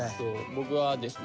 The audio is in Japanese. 僕はですね